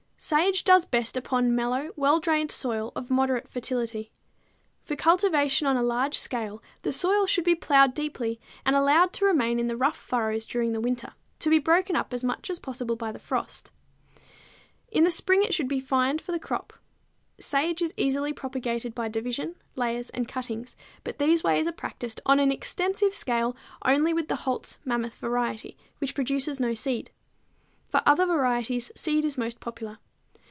_ Sage does best upon mellow well drained soil of moderate fertility. For cultivation on a large scale the soil should be plowed deeply and allowed to remain in the rough furrows during the winter, to be broken up as much as possible by the frost. In the spring it should be fined for the crop. Sage is easily propagated by division, layers and cuttings, but these ways are practiced on an extensive scale only with the Holt's Mammoth variety, which produces no seed. For other varieties seed is most popular.